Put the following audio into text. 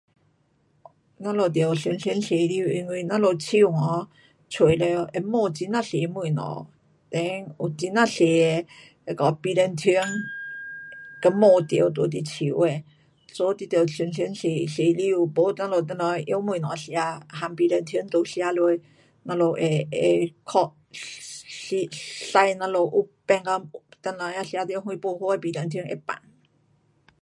我们得常常洗手，因为我们手 um 出了会摸很呀多东西，then 有很呀多的微生菌被摸到在你手的，so 你得常常洗，洗手，没我们等下拿东西吃，把微生菌都吃下，我们会，会 um 使，使我们等下子吃到不好的微生菌就会病。